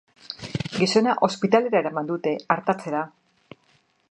Gizona ospitalera eraman dute, artatzera.